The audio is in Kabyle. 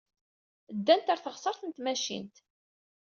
Ddant ɣer teɣsert n tmacint.